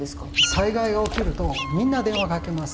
災害が起きるとみんな電話かけます。